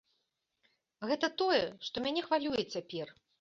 Гэта тое, што мяне хвалюе цяпер.